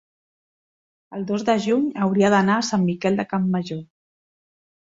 el dos de juny hauria d'anar a Sant Miquel de Campmajor.